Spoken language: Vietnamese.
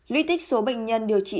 lý tích số bệnh nhân điều trị